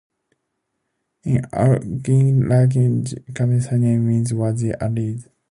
In Algonquin language, Kapibouska name means "where there are reeds".